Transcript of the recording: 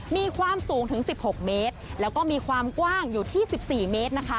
มีความสูงถึง๑๖เมตรแล้วก็มีความกว้างอยู่ที่๑๔เมตรนะคะ